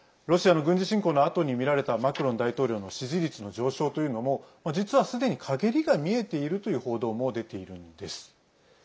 ロシアの軍事侵攻のあとに見られたマクロン大統領の支持率の上昇というのも実はすでに、かげりが見えているという報道も出ているんです。